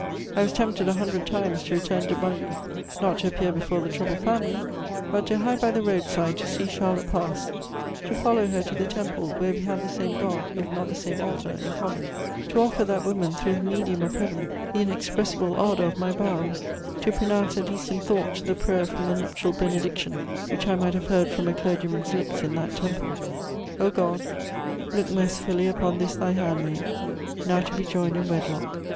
I was tempted a hundred times to return to Bungay, not to appear before the troubled family, but to hide by the road side to see Charlotte pass, to follow her to the temple where we had the same God, if not the same altar, in common, to offer that woman, through the medium of Heaven, the inexpressible ardour of my vows, to pronounce, at least in thought, the prayer from the nuptial benediction which I might have heard from a clergyman's lips in that temple: "O God,... look mercifully upon this thy handmaid. ... now to be joined in wedlock....